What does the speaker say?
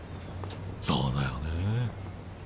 そうだよね。